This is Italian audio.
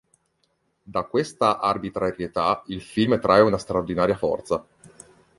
Da questa arbitrarietà il film trae una straordinaria forza.